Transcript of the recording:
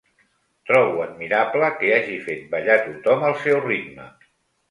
Trobo admirable que hagi fet ballar tothom al seu ritme.